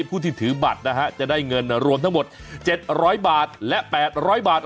ผู้ที่ถือบัตรนะฮะจะได้เงินรวมทั้งหมด๗๐๐บาทและ๘๐๐บาท